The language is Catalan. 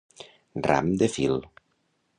Ram de fil.